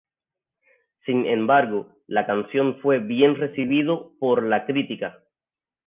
Sin embargo, la canción fue bien recibido por la crítica.